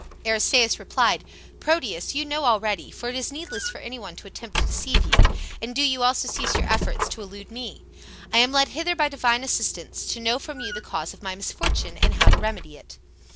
Aristaeus replied, "Proteus, you know already, for it is needless for any one to attempt to deceive you. And do you also cease your efforts to elude me. I am led hither by divine assistance, to know from you the cause of my misfortune and how to remedy it."